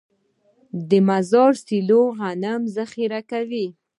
د مزار سیلو غنم ذخیره کوي.